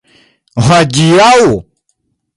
Hodiaŭ!?